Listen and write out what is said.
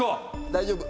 大丈夫。